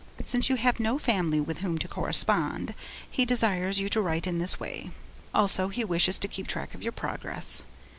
Since you have no family with whom to correspond, he desires you to write in this way; also, he wishes to keep track of your progress.